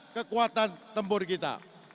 kekuatan tembur kita